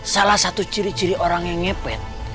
salah satu ciri ciri orang yang ngepet